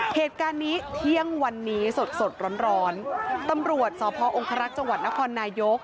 เหตุการณ์นี้เที่ยงวันนี้สดสดร้อนร้อนตำรวจสพองครักษ์จังหวัดนครนายก